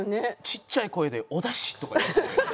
ちっちゃい声で「お出汁」とか言って。